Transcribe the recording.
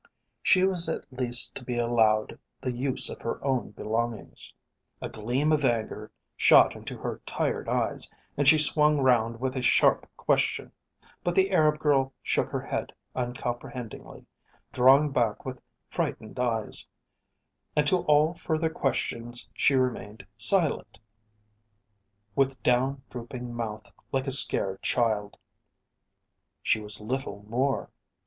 She was at least to be allowed the use of her own belongings. A gleam of anger shot into her tired eyes and she swung round with a sharp question; but the Arab girl shook her head uncomprehendingly, drawing back with frightened eyes; and to all further questions she remained silent, with down drooping mouth like a scared child. She was little more.